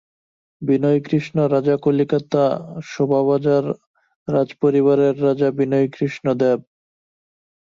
বিনয়কৃষ্ণ, রাজা কলিকাতা শোভাবাজার রাজপরিবারের রাজা বিনয়কৃষ্ণ দেব।